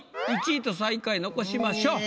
１位と最下位残しましょう。